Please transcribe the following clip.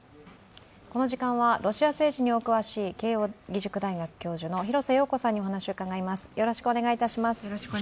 この時間はロシア政治にお詳しい慶応義塾大学教授の廣瀬陽子さんにお話を伺います。